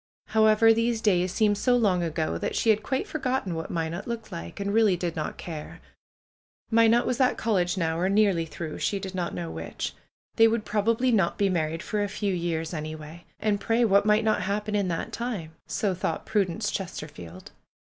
However, these days seemed so long ago that she had quite forgotten what Minot looked like, and really did not care. Minot was at college now, or nearly through, she did not know which. They would probably not be married for a few years anyway. And pray, what might not happen in that time? So thought Prudence Chester field.